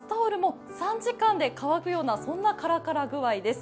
バスタオルも３時間で乾くような、そんなカラカラ具合です。